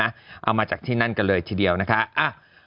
เอามาจากที่นั่นกันเลยทีเดียวนะคะ